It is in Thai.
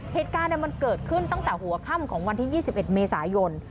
เหตุการณ์มันเกิดขึ้นตั้งแต่หัวค่ำของวันที่๒๑เมษายน